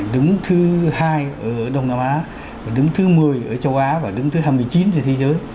đứng thứ hai ở đông nam á và đứng thứ một mươi ở châu á và đứng thứ hai mươi chín trên thế giới